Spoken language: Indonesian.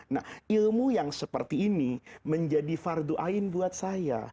nah ilmu yang seperti ini menjadi fardu'ain buat saya